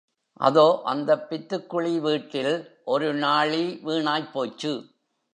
அதோ அந்தப் பித்துக்குளி வீட்டில் ஒரு நாழி வீணாய் போய்ச்சு.